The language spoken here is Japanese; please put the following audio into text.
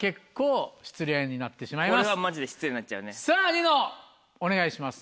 ニノお願いします。